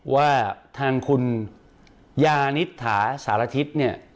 ว่าทางคุณยานิษฐาสารทิศ